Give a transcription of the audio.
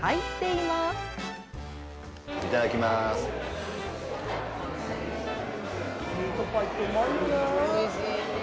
いただきます。